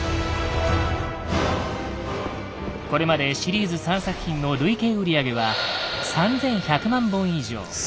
これまでシリーズ３作品の累計売上は３１００万本以上。